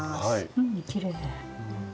うんきれい。